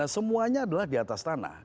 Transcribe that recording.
semuanya adalah diatastanah